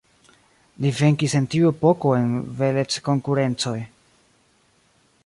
Li venkis en tiu epoko en beleckonkurencoj.